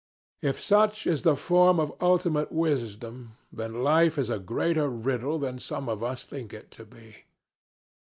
If such is the form of ultimate wisdom, then life is a greater riddle than some of us think it to be.